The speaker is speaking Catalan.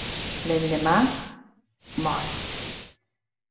L'endemà, mor.